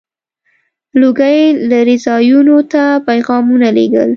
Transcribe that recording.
• لوګی لرې ځایونو ته پيغامونه لیږل.